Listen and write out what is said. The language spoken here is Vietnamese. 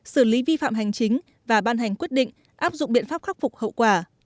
xử lý vi phạm hành chính và ban hành quyết định áp dụng biện pháp khắc phục hậu quả